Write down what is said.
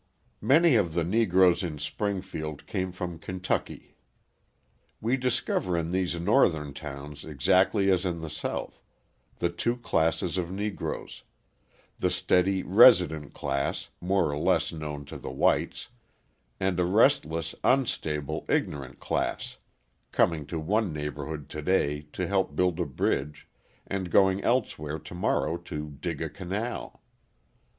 Many of the Negroes in Springfield came from Kentucky. We discover in these Northern towns exactly as in the South, the two classes of Negroes: the steady, resident class, more or less known to the whites, and a restless, unstable, ignorant class, coming to one neighbourhood to day to help build a bridge, and going elsewhere to morrow to dig a canal.